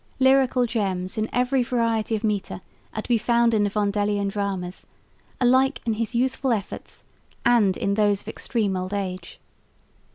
Lyrical gems in every variety of metre are to be found in the Vondelian dramas, alike in his youthful efforts and in those of extreme old age.